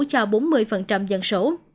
cho bốn mươi dân số